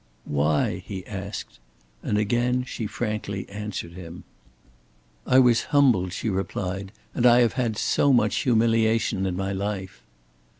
"Why?" he asked; and again she frankly answered him. "I was humbled," she replied, "and I have had so much humiliation in my life."